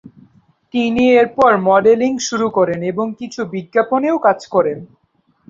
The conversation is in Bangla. তিনি এরপর মডেলিং শুরু করেন এবং কিছু বিজ্ঞাপন এও কাজ করেন।